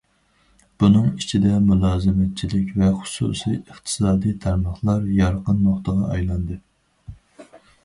بۇنىڭ ئىچىدە مۇلازىمەتچىلىك ۋە خۇسۇسىي ئىقتىسادى تارماقلار يارقىن نۇقتىغا ئايلاندى.